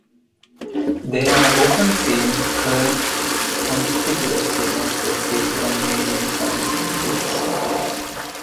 They are often seen perched conspicuously as they feed on medium-sized fruits.